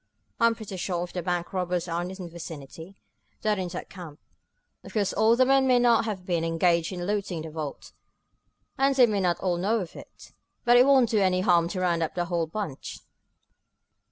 I'm pretty sure, if the bank robbers are in this vicinity, they're in that camp. Of course all the men there may not have been engaged in looting the vault, and they may not all know of it, but it won't do any harm to round up the whole bunch."